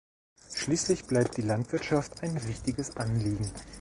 Schließlich bleibt die Landwirtschaft ein wichtiges Anliegen.